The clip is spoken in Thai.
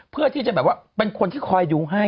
พี่จะเป็นคนที่คอยดูให้